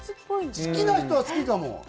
好きな人は好きかも。